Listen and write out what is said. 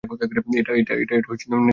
এটা ন্যায্য নয়, ডেভ।